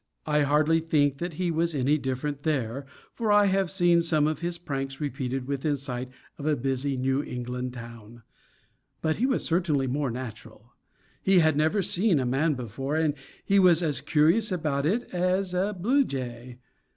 I hardly think that he was any different there, for I have seen some of his pranks repeated within sight of a busy New England town; but he was certainly more natural. He had never seen a man before, and he was as curious about it as a blue jay.